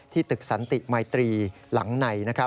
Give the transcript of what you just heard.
ที่ตึกสันติไมตรีหลังใน